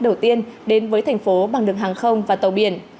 đầu tiên đến với thành phố bằng đường hàng không và tàu biển